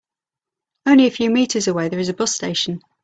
Only a few meters away there is a bus station.